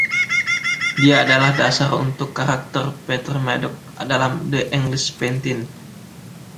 Dia adalah dasar untuk karakter Peter Madox dalam "The English Patient".